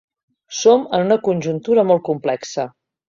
Som en una conjuntura molt complexa.